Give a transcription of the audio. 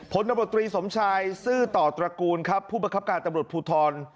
ผลตำรวจตรีสมชายซื่อต่อตระกูลครับผู้ประคับการตำรวจภูทร